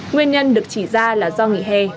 nguyên nhân được chỉ ra là do nghỉ hè